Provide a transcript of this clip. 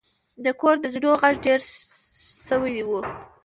د کور د زینو غږ ډیر شوی و.